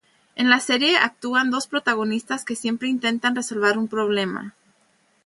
En la serie actúan dos protagonistas que siempre intentan resolver un problema.